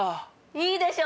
いいでしょ？